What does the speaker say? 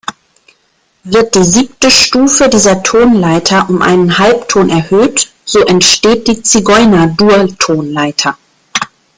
Wird die siebte Stufe dieser Tonleiter um einen Halbton erhöht, so entsteht die Zigeuner-Dur-Tonleiter.